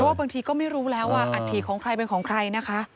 เพราะบางทีก็ไม่รู้แล้วอัฐีของใครเป็นของใคร